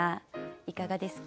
いかがですか？